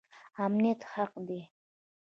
امنیت حق دی